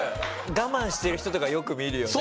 我慢してる人とかはよく見るよね。